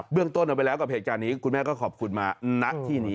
เรื่องต้นเอาไปแล้วกับเหตุการณ์นี้คุณแม่ก็ขอบคุณมาณที่นี้